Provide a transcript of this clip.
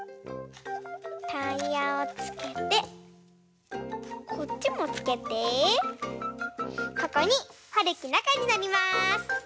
タイヤをつけてこっちもつけてここにはるきなかにのります！